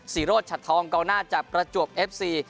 ศรีโรชชัดทองเกาหน้าจะประจวบเอฟซี